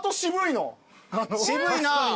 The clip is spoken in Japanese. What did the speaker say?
渋いな。